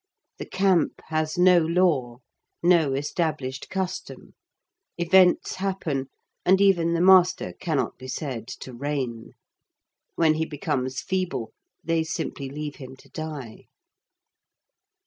The "camp" has no law, no established custom; events happen, and even the master cannot be said to reign. When he becomes feeble, they simply leave him to die.